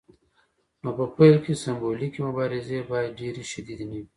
نو په پیل کې سمبولیکې مبارزې باید ډیرې شدیدې نه وي.